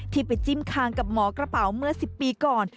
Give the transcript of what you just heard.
ที่ไปจิ้มคางกับหมอกระเป๋าเมื่อ๑๐ปีก่อน